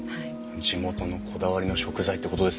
地元のこだわりの食材ってことですね。